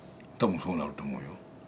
多分そうなると思うよ。